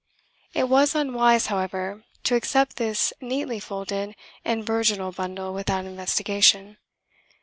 It was unwise, however, to accept this neatly folded and virginal bundle without investigation.